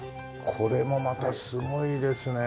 これもまたすごいですね。